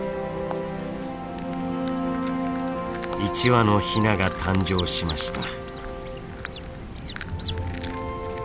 １羽のヒナが誕生しました。